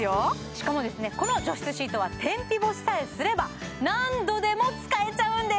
しかもこの除湿シートは天日干しさえすれば何度でも使えちゃうんです